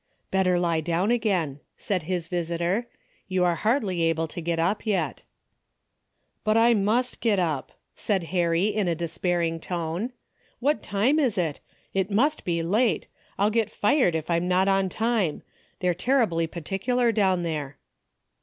" Better lie down again," said his visitor. ''You are hardly able to get up yet." " But I must get up," said Harry in a de spairing tone. " AVhat time is it ? It must be late. I'll get fired if I'm not on time. They're terribly particular down there."